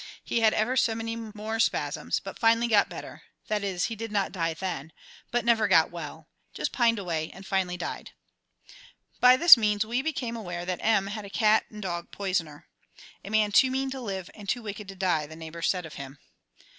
He had ever so many more spasms, but finally got better; that is, he did not die then, but never got well; just pined away and finally died. By this means we became aware that M had a cat and dog poisoner; "a man too mean to live and too wicked to die," the neighbors said of him.